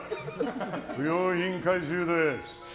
不用品回収です。